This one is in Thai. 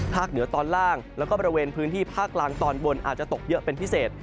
เหนือตอนล่างแล้วก็บริเวณพื้นที่ภาคกลางตอนบนอาจจะตกเยอะเป็นพิเศษ